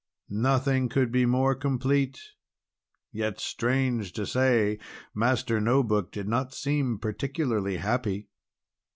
Nothing could be more complete, yet strange to say Master No Book did not seem particularly happy.